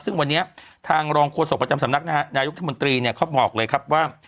ซึ่งวันนี้ทางรองโฆษกประจำสำนักนายุทธมนตรีเนี่ยเขาบอกเลยครับว่า